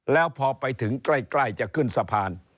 แล้วพอไปถึงใกล้จะขึ้นสะพาน